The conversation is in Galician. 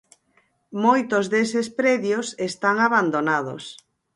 Moitos deses predios están abandonados.